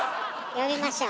呼びましょう。